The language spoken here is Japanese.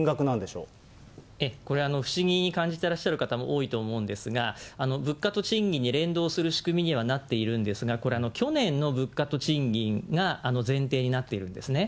これ、不思議に感じていらっしゃる方も多いと思うんですが、物価と賃金に連動する仕組みにはなっているんですが、これ、去年の物価と賃金が前提になっているんですね。